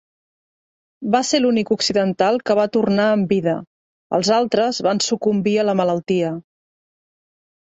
Va ser l'únic occidental que va tornar amb vida, els altres van sucumbir a la malaltia.